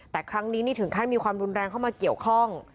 แต่ครั้งนี้นี่ถึงขั้นมีความรุนแรงเข้ามาเกี่ยวข้อง